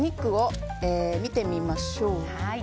お肉を見てみましょう。